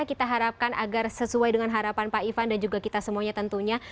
kita harapkan agar sesuai dengan harapan pak ivan dan juga kita semuanya tentunya